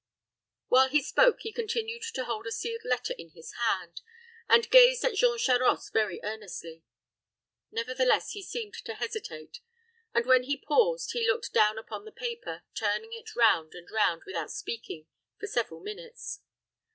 While he spoke, he continued to hold a sealed letter in his hand, and gazed at Jean Charost very earnestly. Nevertheless, he seemed to hesitate, and when he paused, he looked down upon the paper, turning it round and round, without speaking, for several minutes.